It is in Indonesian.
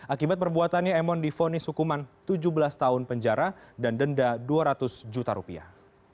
akibat perbuatannya emon difonis hukuman tujuh belas tahun penjara dan denda dua ratus juta rupiah